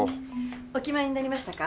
お決まりになりましたか？